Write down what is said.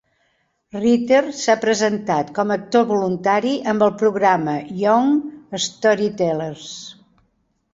Ritter s'ha presentat com a actor voluntari amb el programa Young Storytellers.